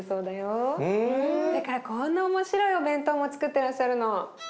だからこんな面白いお弁当もつくってらっしゃるの。